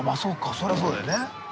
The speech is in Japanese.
それはそうだよね。